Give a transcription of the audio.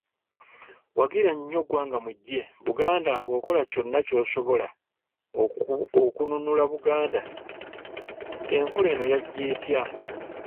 Wagira nnyo Ggwangamujje Buganda ng’okola kyonna ky’osobola Okunnunula Buganda Enkola eno yajja etya?